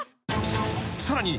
［さらに］